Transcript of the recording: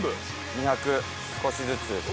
２００、少しずつ。